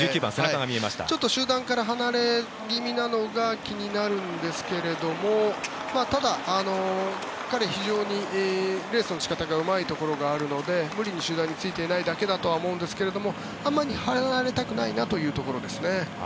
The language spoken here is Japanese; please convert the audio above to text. ちょっと集団から離れ気味なのが気になるんですけれどもただ、彼は非常にレースの仕方がうまいところがあるので無理に集団についていないだけだと思いますがあまり前に入られたくないなという感じですね。